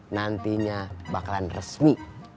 nantinya bakalan resmi